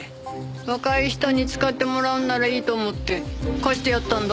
若い人に使ってもらうんならいいと思って貸してやったんだ。